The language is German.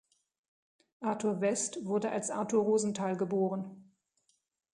Arthur West wurde als Arthur Rosenthal geboren.